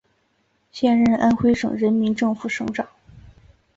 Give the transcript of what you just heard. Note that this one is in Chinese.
现任安徽省人民政府省长。